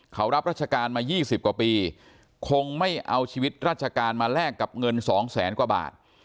เขารับราชการมา๒๐กว่าปีคงไม่เอาชีวิตราชการมาแลกกับเงิน๒แสนกว่าบาท